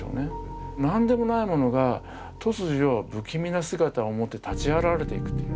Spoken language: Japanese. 何でもないものが突如不気味な姿をもって立ち現れていくという。